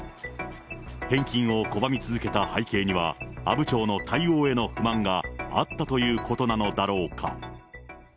返金を拒み続けた背景には、阿武町の対応への不満があったということなのだろうか。